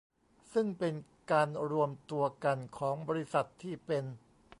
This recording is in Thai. ซึ่งเป็นการรวมตัวกันของบริษัทที่เป็น